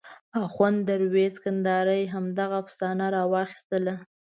اخوند دروېزه ننګرهاري همدغه افسانه راواخیستله.